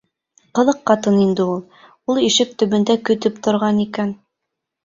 Ҡыҙыҡ ҡатын инде ул. Ул ишек төбөндә көтөп торған икән.